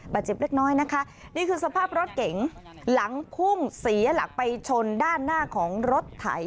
เจ็บเล็กน้อยนะคะนี่คือสภาพรถเก๋งหลังพุ่งเสียหลักไปชนด้านหน้าของรถไถ